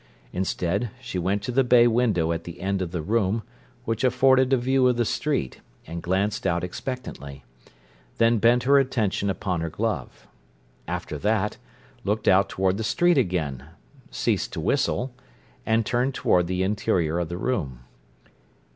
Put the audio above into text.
Instead, she went to the bay window at the end of the room, which afforded a view of the street, and glanced out expectantly; then bent her attention upon her glove; after that, looked out toward the street again, ceased to whistle, and turned toward the interior of the room.